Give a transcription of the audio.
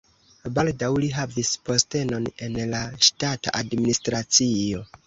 Baldaŭ li havis postenon en la ŝtata administracio.